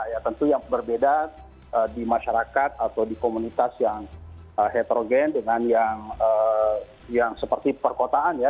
ya tentu yang berbeda di masyarakat atau di komunitas yang heterogen dengan yang seperti perkotaan ya